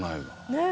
ねえ。